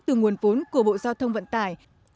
từ nguồn vốn của bộ giao thông vận tải